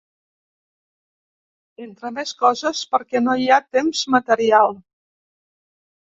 Entre més coses, perquè no hi ha temps material.